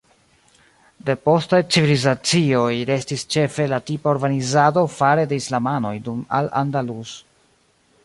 De postaj civilizacioj restis ĉefe la tipa urbanizado fare de islamanoj dum Al Andalus.